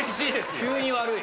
急に悪い。